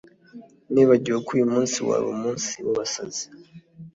Nibagiwe ko uyumunsi wari umunsi wabasazi